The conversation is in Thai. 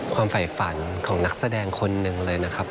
ฝ่ายฝันของนักแสดงคนหนึ่งเลยนะครับ